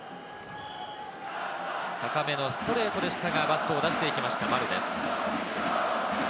高めのストレートでしたがバットを出していきました丸です。